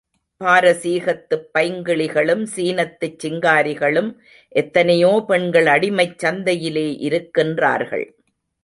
பாரசீகத்துப் பைங்கிளிகளும் சீனத்துச் சிங்காரிகளும் எத்தனையோ பெண்கள் அடிமைச் சந்தையிலே இருக்கின்றார்கள்.